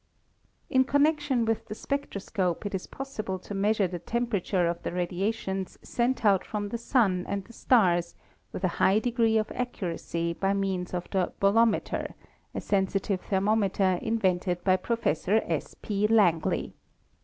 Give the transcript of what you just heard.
In connection with the spectroscope it is possible to measure the temperature of the radiations sent out from the Sun and the stars with a high degree of accuracy by means of the bolometer, a sensitive thermometer, invented by Professor S. P. Langley.